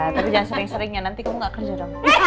tapi jangan sering seringnya nanti kamu gak kerja dong